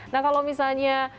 nah kalau misalnya